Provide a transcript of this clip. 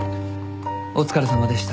お疲れさまでした。